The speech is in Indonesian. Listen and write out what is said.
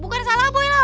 bukan salah boy lah